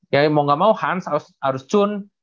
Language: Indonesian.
ya mau gak mau hans harus cun